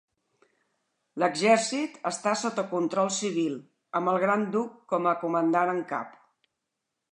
L'exèrcit està sota control civil, amb el gran duc com a comandant en cap.